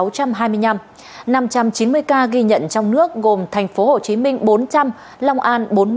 năm trăm chín mươi ca ghi nhận trong nước gồm thành phố hồ chí minh bốn trăm linh long an bốn mươi